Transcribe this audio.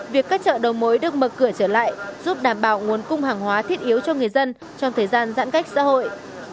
việc các chợ đầu mối được mở cửa trở lại giúp đảm bảo nguồn cung hàng hóa thiết yếu cho người dân trong thời gian giãn cách xã hội